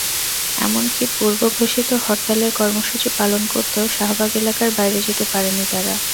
এমনকি পূর্বঘোষিত হরতালের কর্মসূচি পালন করতেও শাহবাগ এলাকার বাইরে যেতে পারেনি তারা।